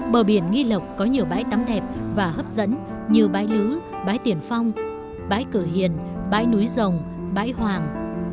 bờ biển nghi lộc có nhiều bãi tắm đẹp và hấp dẫn như bãi lứ bãi tiền phong bãi cửa hiền bãi núi rồng bãi hoàng